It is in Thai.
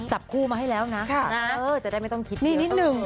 จับคู่มาให้แล้วนะจะได้ไม่ต้องคิดนี่นิดนึง